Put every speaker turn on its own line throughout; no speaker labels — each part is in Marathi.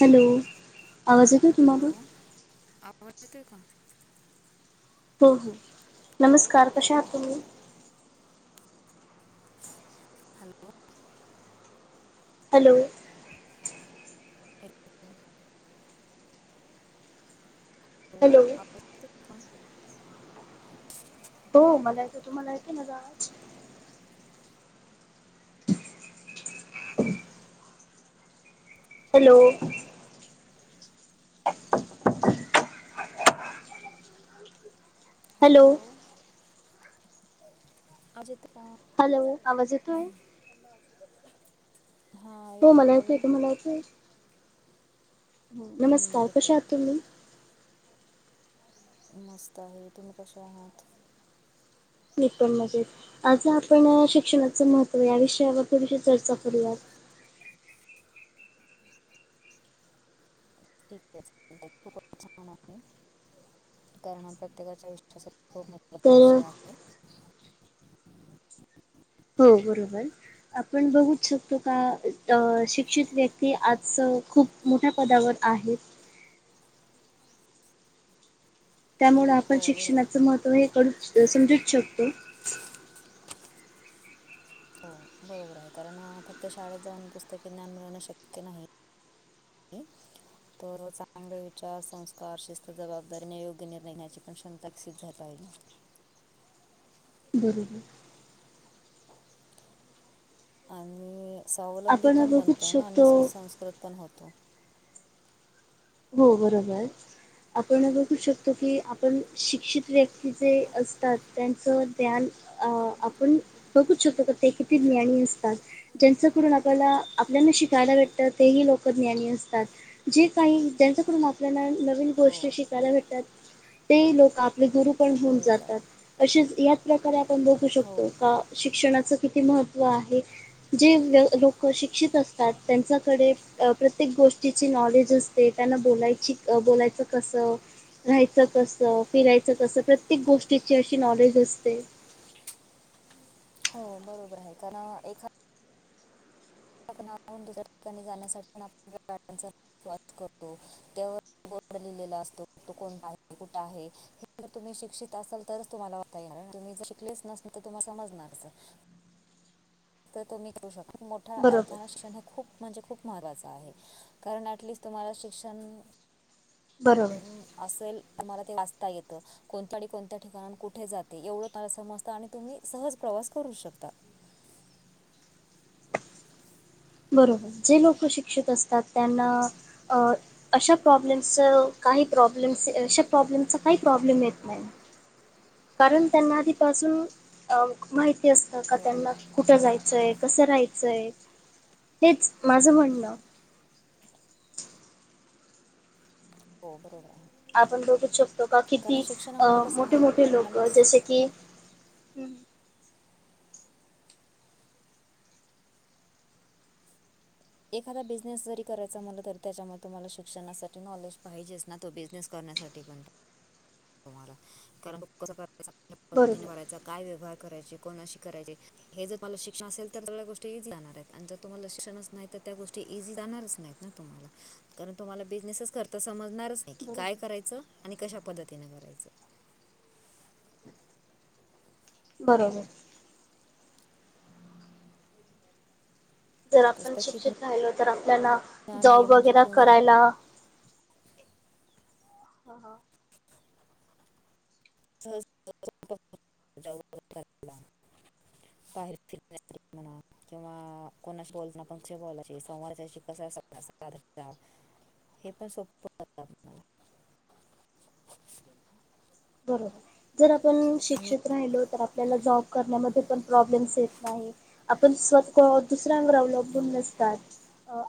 हॅलो आवाज येतोय तुम्हाला
हॅलो आवाज येतो का?
हो हो
हॅलो
नमस्कार कशा आहात तुम्ही?
हॅलो
हॅलो
हॅलो
हॅलो
ह [unintelligible]
हो मला येतो तुम्हाला येतो का माझा आवाज? हॅलो ह
हॅलो आवाज येतो का?
हॅलो आवाज येतोय
हां
हो
येतोय
मला
बोला
येतो तुम्हाला येतो?
हम्म
नमस्कार कसे
येतोय
आहात
येतोय
तुम्ही?
मस्त आहे तुम्ही कशा आहात?
मी पण मजेत आज आपण शिक्षणाच महत्त्व या विषयावर थोडीशी चर्चा करूयात.
ठिक आहे चालेल. [unintelligible] कारण हा प्रत्येकाच्या आयुष्यासाठी खूप महत्त्वाचा
तर
विषय आहे.
हो बरोबर आपण बघूच शकतो का अ शिक्षित व्यक्ती आज खूप मोठ्या पदावर आहेत. त्यामुळं आपण
हो बरोबर
शिक्षणाचं
आहे
महत्त्व हे समजूच शकतो.
हो बरोबर आहे कारण फक्त शाळेत जाऊन पुस्तकी ज्ञान मिळणं शक्य नाही. [unintelligible] तर चांगले विचार, संस्कार, शिस्त जबाबदारीने योग्य निर्णय घेण्याची पण क्षमता विकसित झाली पाहिजे ना
बरोबर
आणि स्वावलंबी
आपण
पण
बघूच
बनतो ना आणि
शकतो
सुसंस्कृत पण होतो.
हो बरोबर आपण बघू शकतो की आपण शिक्षित व्यक्ती जे असतात त्यांचं ज्ञान अ
म् [unintelligible]
आपण बघूच शकतो का ते किती ज्ञानी असतात. ज्यांच्याकडून आपल्याला आपल्याना शिकायला भेटतं तेही लोक ज्ञानी असतात. जे काही ज्याच्याकडे आपल्याला नवीन
हो
गोष्टी शिकायला भेटतात ते लोक आपले गुरु पण होऊन
बरोबर
जातात.
आहे
असेच याच प्रकारे आपण बघू
हो
शकतो का शिक्षणाचं किती महत्त्व आहे. जे लोक शिक्षित असतात त्यांच्याकडे प्रत्येक गोष्टीचे नॉलेज असत. ते त्यांना बोलायची बोलायचं कसं राहायचं कसं, फिरायचं कसं प्रत्येक गोष्टीची अशी नॉलेज असते.
हो बरोबर आहे कारण एखा ठिकाणाहून दुसऱ्या ठिकाणी जाण्यासाठी आपण गाड्याचा फे वॉश करतो. त्यावर बोर्ड लिहिलेला असतो तो कोणता आहे कुठं आहे. हे जर तुम्ही शिक्षित असाल तरच तुम्हाला वाचता येणार तुम्ही जर शिकलेच नसेल तर तुम्हाला समजणार कसं. तर तुम्ही करू शकता मोठ्या
बरोबर
अर्थानने शिक्षण हे खूप म्हणजे खूप महत्त्वाचं आहे. कारण ॲटलिस्ट तुम्हाला शिक्षण
बरोबर
म् असेल तुम्हाला ते वाचता येतं कोणत्या आणि कोणत्या ठिकाणाहून कुठे जाते एवढं मला समजतं आणि तुम्ही सहज प्रवास करू शकता.
बरोबर जे लोक शिक्षित असतात त्यांना अ अशा प्रॉब्लेम्सचा काही प्रॉब्लेम्स अशा प्रॉब्लेम्सचा काही प्रॉब्लेम येत नाही. कारण त्यांना आधीपासून अ माहिती असतं का
बरोबर
त्यांना
आहे.
कुठं जायचंय कसं राहायचंय हेच माझं म्हणणं
हो बरोबर आहे.
आपण बघूच शकतो का
कारण
किती अ
शिक्षणामुळे कसं
मोठे मोठे
आहे
लोक
माणूस
जसे की
एखादा बिझनेस जरी करायचा म्हटलं तरी त्याच्यामध्ये तुम्हाला शिक्षणासाठी नॉलेज पाहिजेच ना तो बिझनेस करण्यासाठी पण तुम्हाला कारण कसं करायच पद्धतीने
बरोबर
करायचा काय व्यवहार करायचे कोणाशी करायचे हे जर तुम्हाला शिक्षण असेल तर सगळ्या गोष्टी इझी जाणार आहेत आणि जर तुम्हाला शिक्षणच नाही तर त्या गोष्टी इझी जाणारच नाहीत ना. तुम्हाला कारण तुम्हाला बिझनेसच करता समजणारच की काय
बरोबर
करायचं आणि कशा पद्धतीन करायचं.
बरोबर जर आपण
पुस्तकी
शिक्षित राहिलो तर, आपल्याला
ज्ञान हे
जॉब
म्हणजे
वगेरा
किंवा
करायला हा हा.
स [unintelligible] बाहेर फिरण्यासाठी म्हंना. किंवा कोणाशी बोल ना पण बोलायचे समोरच्याशी कसा संवाद साधायचा? हे पण सोप वाटतं आपल्याला [unintelligible]
बरोबर, जर आपण
आणि
शिक्षित राहिलो तर, आप त्यांना जॉब करण्यामध्ये पण प्रॉब्लेमस येत नाहीत. आपण सतत दुसऱ्यावर अवलं लंबून
हो
नसतात.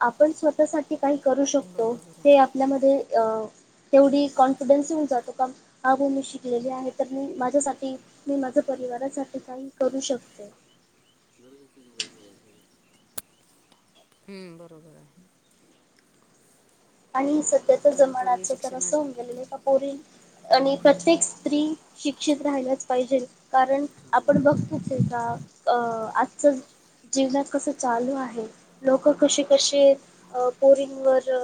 आपण स्वतः काही करू शकतो
बरोबर
हे
आहे
आपल्यामध्ये अ तेवढी कॉन्फिडन्स येऊन जातो का? हा [unintelligible] शिकलेली आहे, तर मी माझ्यासाठी, मी माझ्या परिवारासाठी काही करू शकते.
[unintelligible] हूम बरोबर हाय.
आणि सध्या तर जमानाचं तर आसं होऊन गेलेलय पा पोरी आणि प्रत्येक स्त्री शिक्षित राहायलाच पाहिजे. कारण आपण बघतोच हाय का अ आजच जीवनात कस चालू आहे? लोक कशी कशी पोरिंवर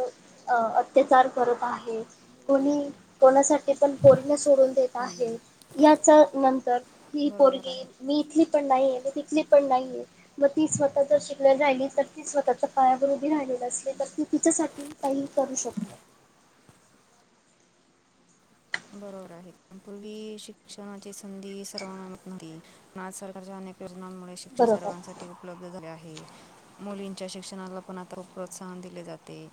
अ अत्याचार करत आहेत. कोणी कोणासाठी पण, पोरीला सोडून देत आहे, याच्या नंतर ही
बरोबर
पोरगी,
आहे
मी इथली पण नाहीये, मी तिथली पण नाहीये. मग ती स्वतः जर शिकल्या राहिली तर, ती स्वतःच्या पायावर उभी राहिलेली असली, तर ती तिच्यासाठी काहीही करू शकते.
बरोबर आहे. पूर्वी शिक्षणाची संधी सर्वांना नव्हती. आज सरकारच्या अनेक योजनांमुळे शिक्षण
बरोबर
सर्वांसाठी उपलब्ध झाले आहे. मुलींच्या शिक्षणाला पण आता प्रोत्साहन दिले जाते.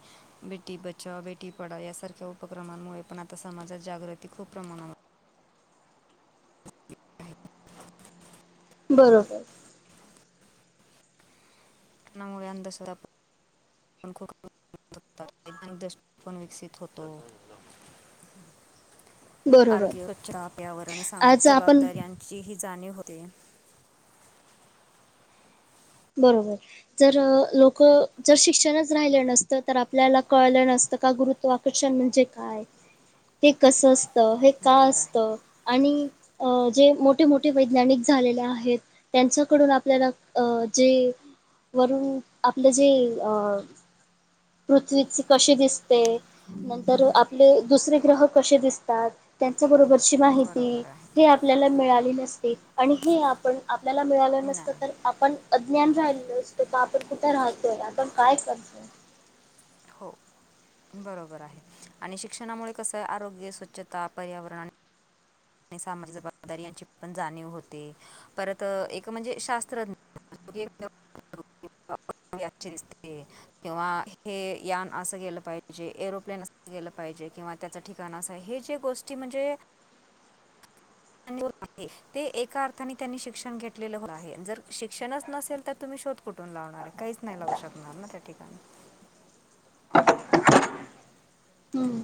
बेटी बचाव, बेटी पढाव यासारख्या उपक्रमांमुळे पण, आता समाजात जागृती खूप प्रमाणावर
बरोबर.
[unintelligible] खूप वैिक [unintelligible] दष्टी पण विकसित होतोय.
[inaudible] बरोबर
आरोग्य, स्वच्छ पर्यावरण आणि सामाजिक
आज आपण
जबाबदारी यांची ही जाणीव होते.
बरोबर. जर अ लोक जर शिक्षणच राहिलं नसतं तर, आपल्याला कळलं नसतं का गुरूत्वा कर्षण म्हणजे काय? हे कस असत? हे का
बरोबर
असत?
आहे
आणि अ जे मोठे, मोठे वैज्ञानिक झालेले आहेत त्यांच्याकडून आपल्याला अ जे वरून आपलं जे अ पृथ्वीच कसे दिसते? नंतर आपले दुसरे
हो
ग्रह कसे दिसतात? त्याच्याबरोबरची माहिती
बरोबर आहे
ते आपल्याला मिळाली नसते आणि हे आपण आपल्याला मिळालं नसतं तर
नाही
आपण अज्ञान राहिलो असतो, का आपण कुठे राहतोय? आपण काय करतोय?
हो बरोबर आहे आणि शिक्षणामुळे कस आरोग्य, स्वचछता, पर्यावरण आणि सामाजिक जबाबदारी यांची पण जाणीव होते, परत अ एक म्हणजे शास्त्रज्ञ [unintelligible] दिसते. किंवा हे यान असं गेलं पाहिजे, एरोप्लेन असं गेलं पाहिजे किंवा त्याचा ठिकाणा असा आहे हे जे गोष्टी म्हणजे [inaudible] ते एका अर्थाने त्यांनी शिक्षण घेतलेलं आहे जर शिक्षणच नसेल तर तुम्ही शोध कुठून लावणार आहे काहीच नाही लावु शकणार ना त्या ठिकाणी
हम्म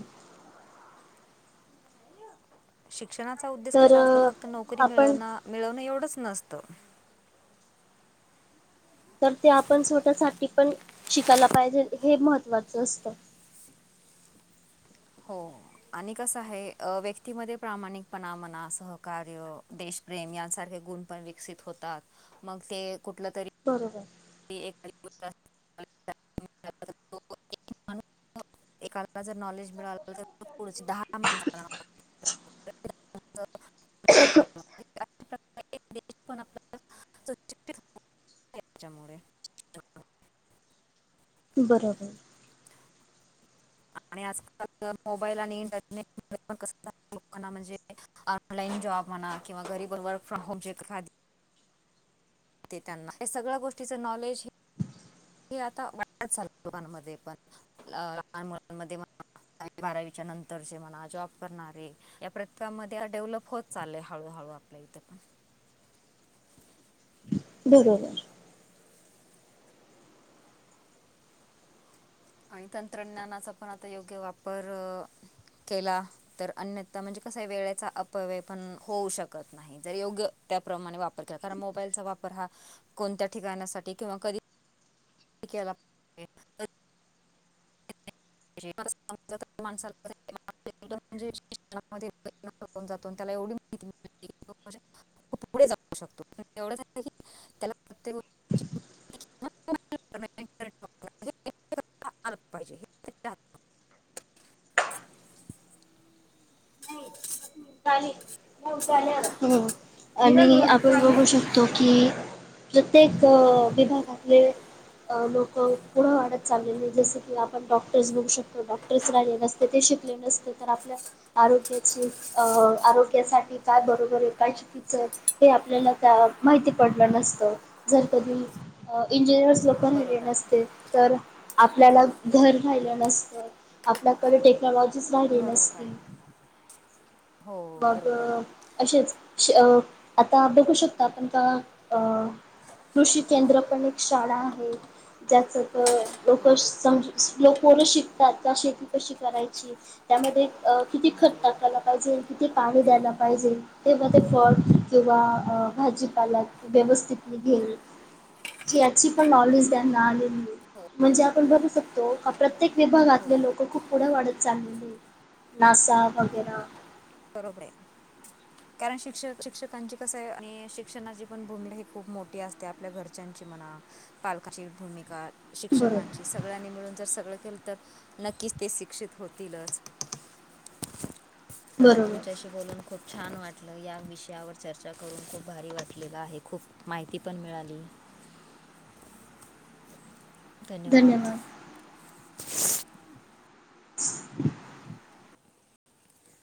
शिक्षणाचा उद्देश कसा
तर
असतं फक्त नोकरी
आपण
मिळवणं मिळवणं एवढंच नसतं
तर ते आपण स्वतःसाठी पण शिकायला पाहिजे हे महत्वाचं असतं
हो आणि कसं हाय अ व्यक्तीमध्ये प्रामाणिकपणा म्हणा सहकार्य देश प्रेम यांसारखे गुण पण विकसित होतात मग ते कुठलं तरी
बरोबर
[inaudible] माणूस एकाला जर नॉलेज मिळालं तर पुढचे दहा माणसाला [inaudible]
[inaudible]
[inaudible] त्याच्यामुळे
बरोबर
आणि आजकाल तर मोबाईल आणि इंटरनेट मुळे पण कसं [inaudible] लोकांना म्हणजे ऑनलाईन जॉब म्हणा किंवा घरी पण वर्क फ्रॉम होम जे घरात ते त्यांना हे सगळ्या गोष्टीचं नॉलेज हे आता वाढत चाललंय मुलांमध्ये पण अ लहान मुलांमध्ये म्हणा दहावी बारावीच्या नंतरचे म्हणा जॉब करणारे या प्रथम मध्ये डेव्हलप होत चाललंय हळूहळू आपल्या इथं पण
बरोबर
आणि तंत्रज्ञानाचा पण आता योग्य वापर केला तर अन्यथा म्हणजे कसं हाय वेळेचा अपव्यय पण होऊ शकत नाही जर योग त्याप्रमाणे वापर केला कारण मोबाईलचा वापर हा कोणत्या ठिकाणासाठी किंवा कधी केला [inaudible] [inaudible] [inaudible] त्याला एवढी [inaudible] तो पुढे जाऊ शकतो एवढंच आहे की त्याला प्रत्येक [inaudible] [inaudible]
[inaudible] आणि आपण बघू शकतो की प्रत्येक विभागातले अ लोकं पुढं वाढत चाललेले जसं की आपण डॉक्टर्स बघू शकतो डॉक्ट तेच राहिले नसते ते शिकले नसते तर आपल्या आरोग्याचे अ आरोग्यासाठी काय बरोबर ए काय चू कीचं आहे हे आपल्याला त्या माहिती पडलं नसतं जर कधी अ इंजिनियर्स लोक
हात-
बनले
बरोबर
नसते
आहे
तर आपल्याला घर राहिलं नसतं आपल्याकडे टेक क्नोलॉजीच राहिली
बरोबर
नसती
आहे हो
मग
बरोबर आहे
अशेच श आता बघू शकता आपण त्या अ कृषी केंद्र पण एक शाळा आहे ज्याचं कळ लोकं
हो
समजू लो पोरं शिकतात का शेती कशी करायची त्यामध्ये अ किती खत
बरोबर
टाकायला
आहे
पाहिजे किती पाणी द्यायला पाहिजे तेव्हा ते फळ किंवा भाजीपाला व्यवस्थित निघेल याची पण नॉलेज त्यांना आलेली ए
हो
म्हणजे आपण
बरोबर
बघू
आहे
शकतो का प्रत्येक
हो
विभागातले लोकं खूप पुढे वाढत चाललेले आहे नासा वगैर.
बरोबर हे. कारण शिक्षक शिक्षकांची कसं आहे आणि शिक्षणाची पण भूमिका ही खूप मोठी असते आपल्या घर. ज्यांची मना पालकाची भूमिका.
बरोबर.
शिक्षकांची सगळ्यांनी मिळून जर सगळं केलं तर नक्कीच ते शिक्षित होतीलच. ज
बरोबर
तुमच्याशी. बोलून खूप छान वाटलं या विषयावर चर्चा करून खूप भारी वाटलेलं आहे खूप. माहिती पण मिळाली.
धन्यवाद.